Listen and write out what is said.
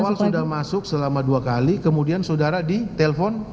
awal sudah masuk selama dua kali kemudian saudara ditelepon